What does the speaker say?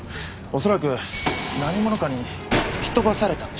恐らく何者かに突き飛ばされたんでしょう。